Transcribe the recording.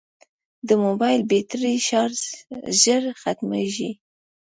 د موبایل بیټرۍ ژر ختمیږي.